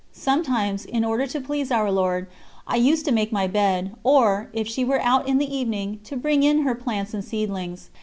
Sometimes, in order to please Our Lord, I used to make my bed, or, if she were out in the evening, to bring in her plants and seedlings.